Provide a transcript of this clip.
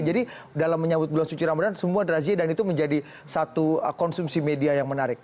jadi dalam menyambut bulan suci ramadhan semua razia dan itu menjadi satu konsumsi media yang menarik